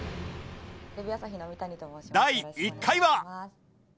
第１回は